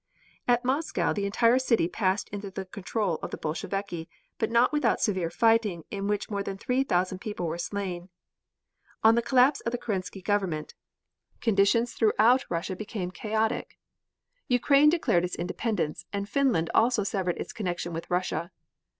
At Moscow the entire city passed into the control of the Bolsheviki but not without severe fighting in which more than three thousand people were slain. On the collapse of the Kerensky government conditions throughout Russia became chaotic. Ukraine declared its independence, and Finland also severed its connection with Russia.